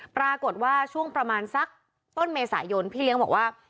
ปรากฏว่าช่วงประมาณสักต้นเมษายนพี่เลี้ยงบอกว่า